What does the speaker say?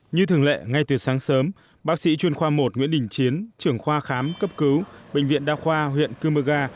như thường lệ ngay từ sáng sớm bác sĩ chuyên khoa một nguyễn đình chiến trưởng khoa khám cấp cứu bệnh viện đa khoa huyện cơ mơ ga